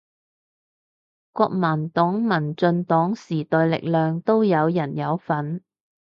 國民黨民進黨時代力量都有人有份